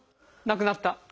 なくなった？